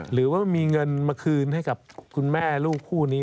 หรือว่ามีเงินมาคืนให้กับคุณแม่ลูกคู่นี้